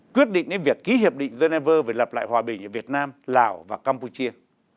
quyết định đến việc ký hiệp định geneva về lập lại hòa bình ở việt nam lào và campuchia